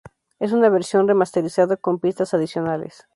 Es una versión remasterizada con pistas adicionales.